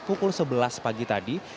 pukul sebelas pagi tadi